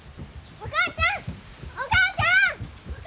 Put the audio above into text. お母ちゃん！